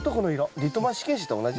リトマス試験紙と同じです。